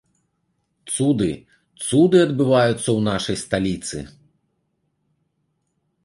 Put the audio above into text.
Цуды, цуды адбываюцца ў нашай сталіцы.